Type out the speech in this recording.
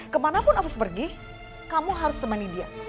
kemanapun akus pergi kamu harus temani dia